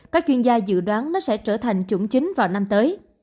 các chuyên gia dự đoán nó sẽ trở thành chủng chính vào năm tới